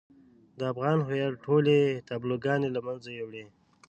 د افغان هويت ټولې تابلوګانې له منځه يوړې.